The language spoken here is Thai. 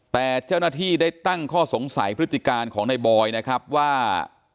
แต่เจ้าหน้าที่ได้ตั้งข้อสงสัยพฤติการของในบอยนะครับว่า